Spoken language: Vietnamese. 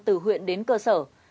từ huyện đến phòng trào thi đua